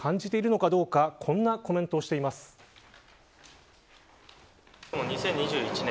焦りを感じているのかどうかこんなコメントをしています。